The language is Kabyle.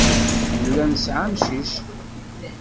Nella nesɛa amcic.